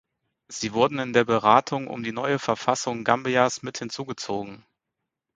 Sie wurden in der Beratung um die neue Verfassung Gambias mit hinzu gezogen.